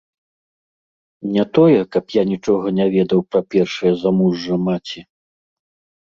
Не тое, каб я нічога не ведаў пра першае замужжа маці.